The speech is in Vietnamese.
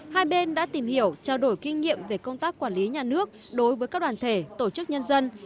hai bên đã tìm hiểu trao đổi kinh nghiệm về công tác quản lý nhà nước đối với các đoàn thể tổ chức nhân dân